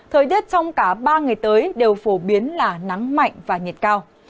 thời tiết trong cả ba ngày tới đều phổ biến là nắng mạnh và nhiệt cao